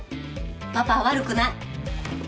パパは悪くない。